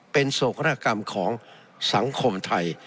เป็นโศกรกรรมของสังคมไทย